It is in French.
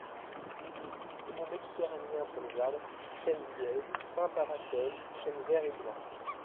Milieu typiquement méditerranéen pour les arbres: chênes lièges, pins parasols, chênes verts et blancs.